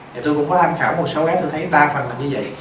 thì tôi cũng có tham khảo một số em tôi thấy đa phần là như vậy